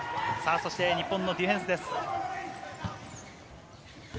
そして日本のディフェンスです。